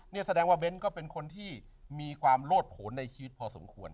นี่แสดงว่าเบ้นก็เป็นคนที่มีความโลดผลในชีวิตพอสมควร